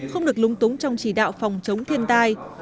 không được lung túng trong chỉ đạo phòng chống thiên tai